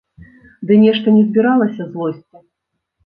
Ды нешта не збіралася злосці.